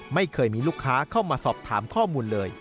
ไม่เคยมีลูกค้าเข้ามาสอบถามข้อมูลเลย